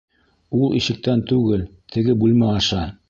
Ул ишектән түгел, теге бүлмә аша.